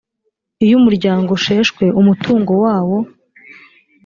iyo umuryango usheshwe umutungo wawo